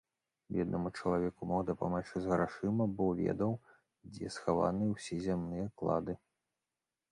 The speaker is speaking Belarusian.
Беднаму чалавеку мог дапамагчы з грашыма, бо ведаў, дзе схаваныя ўсе зямныя клады.